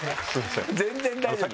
全然大丈夫よ。